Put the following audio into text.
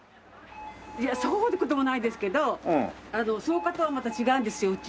いやそういう事もないですけど草加とはまた違うんですようちは。